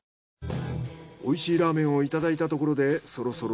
おいしいラーメンをいただいたところでそろそろ。